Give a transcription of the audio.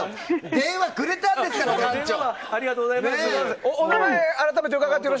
電話くれたんですから、館長！